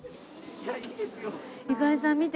ゆかりさん見て。